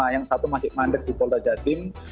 yang satu masih mandir di polta jatim